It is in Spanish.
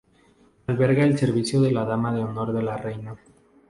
Alberga el servicio de la dama de honor de la reina.